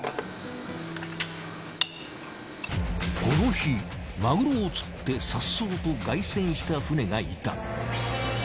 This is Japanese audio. この日マグロを釣って颯爽と凱旋した船がいた。